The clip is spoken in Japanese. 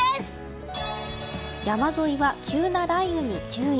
山沿いは急な雷雨に注意。